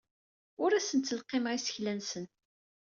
Ur asen-ttleqqimeɣ isekla-nsen.